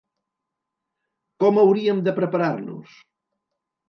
Com hauríem de preparar-nos?